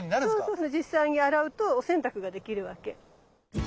あそうですね。実際に洗うとお洗濯ができるわけ。